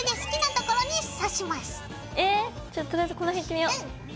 ちょとりあえずこの辺いってみよう。